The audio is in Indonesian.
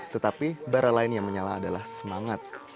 tetapi bara lain yang menyala adalah semangat